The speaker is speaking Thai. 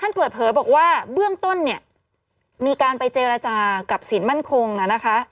เปิดเผยบอกว่าเบื้องต้นเนี่ยมีการไปเจรจากับศีลมั่นคงน่ะนะคะ